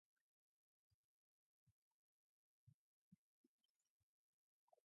Branch concludes that the effort will be never-ending and the whole truth ultimately unknowable.